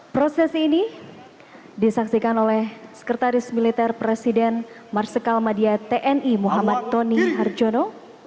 proses ini disaksikan oleh sekretaris militer presiden marsikal madia tni muhammad tony harjono